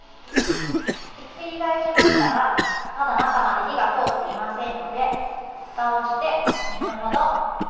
ひっくり返しましたらまだ中まで火が通っていませんのでふたをして２分ほど蒸していきます。